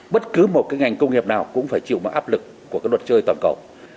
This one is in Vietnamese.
bất cứ một ngành công nghiệp nào cũng phải chịu mất áp lực của đoạt chơi tổng cộng